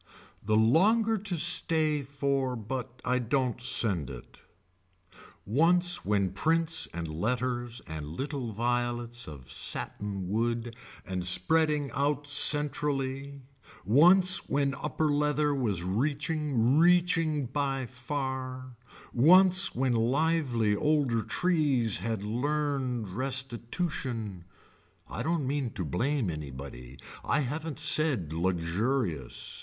The longer to stay for but I don't send it. Once when prints and letters and little violets of satin wood and spreading out centrally, once when upper leather was reaching reaching by far, once when lively older trees had learned restitution, I don't mean to blame anybody. I haven't said luxurious.